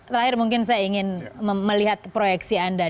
terakhir mungkin saya ingin melihat proyeksi anda